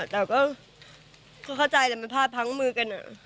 แต่ก็เข้าใจแต่มันพลาดพังมือกัน